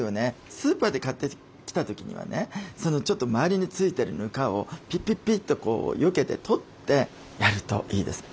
スーパーで買ってきた時にはねちょっと周りに付いてるぬかをピピピッとよけて取ってやるといいです。